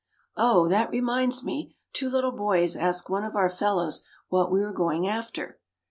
"Oh, that reminds me: two little boys asked one of our fellows what we were going after.